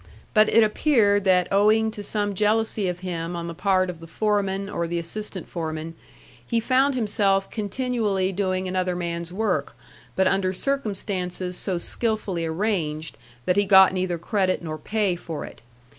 But it appeared that owing to some jealousy of him on the part of the foreman, or the assistant foreman, he found himself continually doing another man's work, but under circumstances so skilfully arranged that he got neither credit nor pay for it.